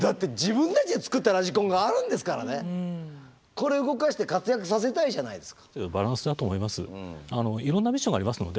これ動かして活躍させたいじゃないですか。